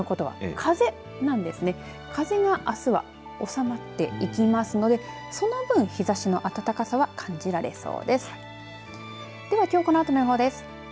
風があすは収まっていきますのでその分、日ざしの暖かさは感じられそう。